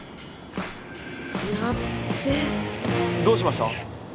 どうしました？